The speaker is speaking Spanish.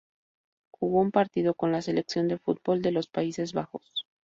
Jugó un partido con la selección de fútbol de los Países Bajos.